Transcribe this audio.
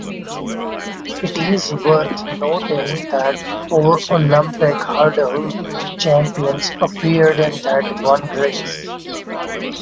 It is worth noting that four Olympic hurdles champions appeared in that one race.